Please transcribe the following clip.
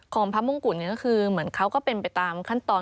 ของพระมงกุฎก็คือเหมือนเขาก็เป็นไปตามขั้นตอน